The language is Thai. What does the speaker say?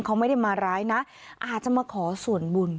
เขาไม่ได้มาร้ายนะอาจจะมาขอส่วนบุญ